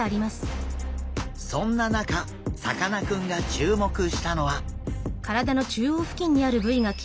そんな中さかなクンが注目したのは。